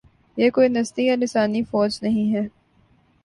یہ کوئی نسلی یا لسانی فوج نہیں ہے۔